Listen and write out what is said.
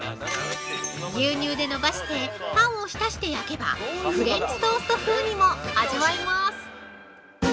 牛乳でのばしてパンを浸して焼けば、フレンチトースト風にも味わえます。